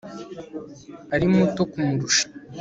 ari muto kumurusha